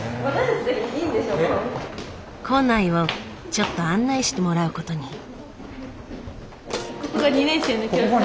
校内をちょっと案内してもらうことに。